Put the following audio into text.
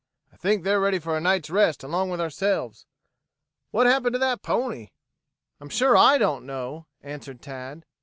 I think they're ready for a night's rest along with ourselves. What happened to that pony?" "I'm sure I don't know," answered Tad.